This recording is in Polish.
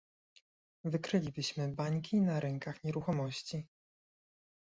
Wykrylibyśmy bańki na rynkach nieruchomości